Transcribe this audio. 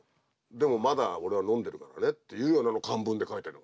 「でもまだ俺は飲んでるからね」っていうようなの漢文で書いてるの。